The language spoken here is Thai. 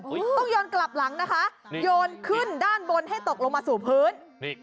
ต้องโยนกลับหลังนะคะโยนขึ้นด้านบนให้ตกลงมาสู่พื้น